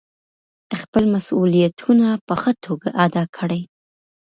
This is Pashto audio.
خپل مسؤلیتونه په ښه توګه ادا کړئ.